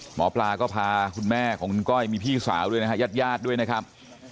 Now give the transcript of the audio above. หมอปลาก็พาคุณแม่ของคุณก้อยมีพี่สาวด้วยนะฮะญาติญาติด้วยนะครับ